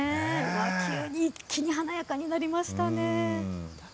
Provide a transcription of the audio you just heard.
急に一気に華やかになりましたね。